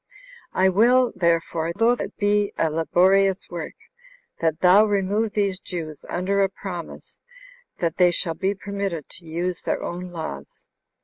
I will, therefore, though it be a laborious work, that thou remove these Jews, under a promise, that they shall be permitted to use their own laws.